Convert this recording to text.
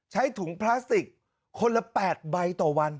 ใช้ถุงพลาสติกคนละ๘ใบต่อวัน